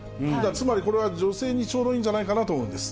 つまりこれは女性にちょうどいいんじゃないかなと思うんです。